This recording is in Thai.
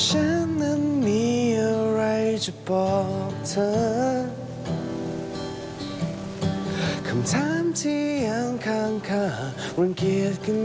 หวังเกียจกันไหม